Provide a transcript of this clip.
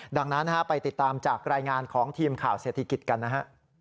ดังนั้นไปติดตามจากรายงานของทีมข่าวเศรษฐกิจกันนะฮะ